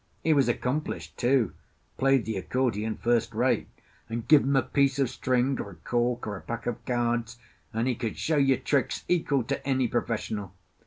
He was accomplished too; played the accordion first rate; and give him a piece of string or a cork or a pack of cards, and he could show you tricks equal to any professional.